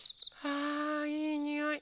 あいいにおい。